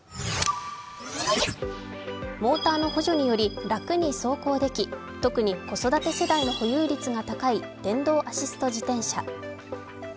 モーターの補助により楽に走行でき特に子育て世代の保有率が高い電動アシスト自転車。